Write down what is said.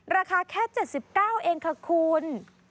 ราคาแค่๗๙เองค่ะคุณ